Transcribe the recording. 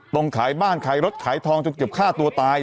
ต้องขายบ้านรถขายทองจนกลับฆ่าตัวตาย